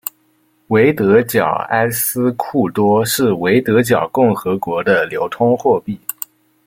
维德角埃斯库多是维德角共和国的流通货币。